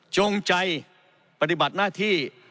จงใจปฏิบัติหน้าที่